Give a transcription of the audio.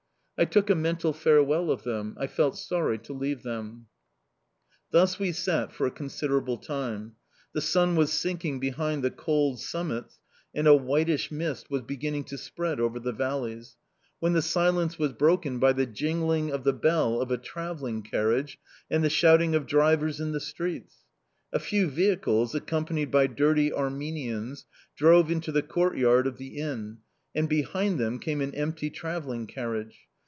I took a mental farewell of them; I felt sorry to leave them... Thus we sat for a considerable time. The sun was sinking behind the cold summits and a whitish mist was beginning to spread over the valleys, when the silence was broken by the jingling of the bell of a travelling carriage and the shouting of drivers in the street. A few vehicles, accompanied by dirty Armenians, drove into the courtyard of the inn, and behind them came an empty travelling carriage.